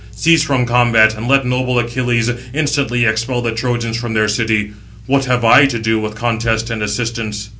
Cease from combat, and let noble Achilles instantly expel the Trojans from their city; what have I to do with contest and assistance?"